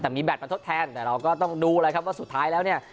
แต่มีแบตมาทดแทนแต่เราก็ต้องดูแล้วครับว่าสุดท้ายแล้วเนี่ย